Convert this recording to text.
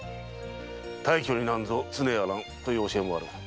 「太虚になんぞ常あらん」という教えもある。